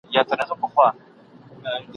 نه د خیر نه د ریشتیا تمه له چا سته ..